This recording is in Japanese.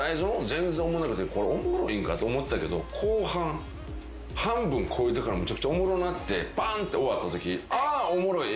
全然おもろなくておもろいんか？と思ったけど後半半分超えてからめちゃくちゃおもろなってバンって終わったときあ。